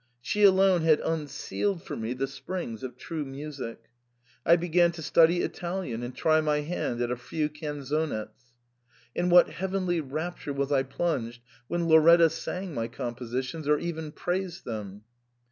She alone had un sealed for me the springs of true music. I began to study Italian, and try my hand at a few canzonets. In what heavenly rapture was I plunged when Lauretta sang my compositions, or even praised them.